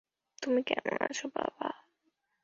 তুমি কেমন আছো, বাবা?